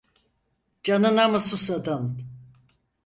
Canına mı susadın?